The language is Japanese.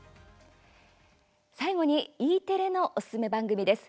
最後にＥテレのおすすめ番組です。